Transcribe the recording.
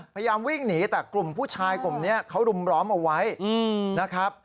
พยายามวิ่งหนีแต่กลุ่มผู้ชายกลุ่มนี้เขารุมร้อมเอาไว้นะครับ